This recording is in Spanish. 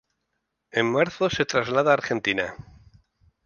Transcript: En marzo se traslada a Argentina.